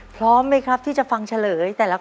พร้อมไหมครับที่จะฟังเฉลยแต่ละข้อ